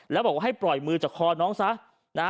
แล้วบอกว่าให้ปล่อยมือจากคอน้องซะนะ